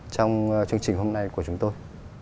trong chương trình hôm nay của chúng tôi